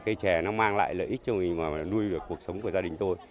cây chè nó mang lại lợi ích cho người nuôi được cuộc sống của gia đình tôi